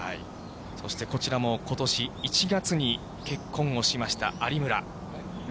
そして、こちらも、ことし１月に結婚をしました、有村。